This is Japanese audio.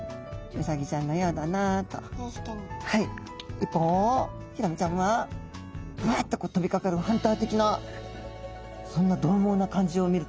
一方ヒラメちゃんはバッと飛びかかるハンター的なそんなどう猛な感じを見ると。